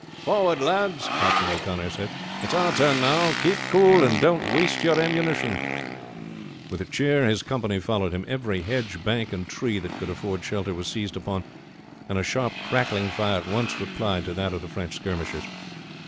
"Forward, lads!" Captain O'Connor said. "It's our turn now. Keep cool and don't waste your ammunition." With a cheer his company followed him. Every hedge, bank, and tree that could afford shelter was seized upon, and a sharp crackling fire at once replied to that of the French skirmishers.